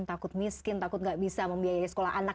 takut miskin takut nggak bisa membiayai sekolah anak